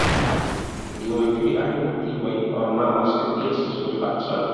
Geometriaj motivoj ornamas ties surfacon.